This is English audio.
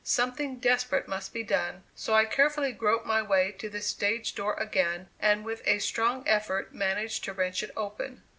Something desperate must be done; so I carefully groped my way to the stage door again and with a strong effort managed to wrench it open.